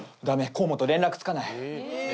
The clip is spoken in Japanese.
河本連絡つかない。